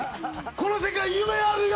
この世界夢あるよ！